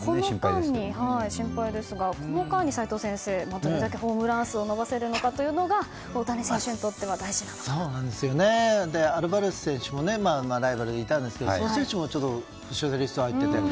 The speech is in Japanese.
心配ですが、この間に齋藤先生どれくらいホームラン数を伸ばせるのかというのが大谷選手にとってはアルバレス選手もライバルでいたんですけどその選手も負傷者リストに入っていて。